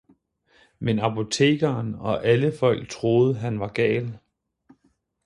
Men apotekeren og alle folk troede han var gal.